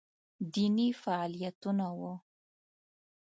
دیني فعالیتونه وو